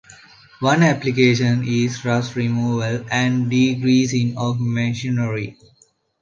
One application is rust removal and degreasing of machinery.